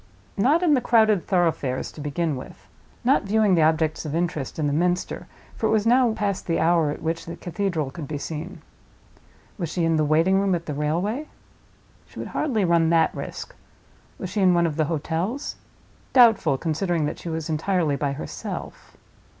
Not in the crowded thoroughfares, to begin with. Not viewing the objects of interest in the Minster, for it was now past the hour at which the cathedral could be seen. Was she in the waiting room at the railway? She would hardly run that risk. Was she in one of the hotels? Doubtful, considering that she was entirely by herself.